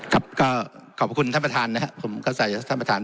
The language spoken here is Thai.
ครับก็ขอบคุณท่านประธานนะครับผมก็ใส่ท่านประธาน